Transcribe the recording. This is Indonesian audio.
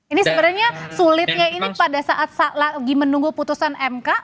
ini sebenarnya sulitnya ini pada saat lagi menunggu putusan mk